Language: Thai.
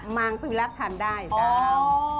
มางสุวิรักษ์ทานได้เจ้า